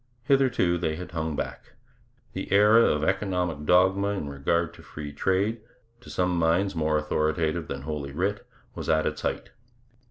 Hitherto they had hung back. The era of economic dogma in regard to free trade, to some minds more authoritative than Holy Writ, was at its height.